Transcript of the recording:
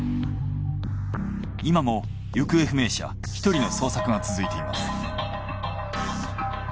今も行方不明者１人の捜索が続いています。